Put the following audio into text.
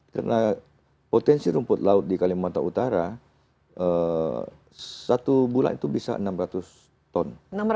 karena potensi rumput laut di kalimantan utara satu bulan itu bisa enam ratus ton